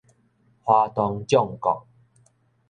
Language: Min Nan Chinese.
花東縱谷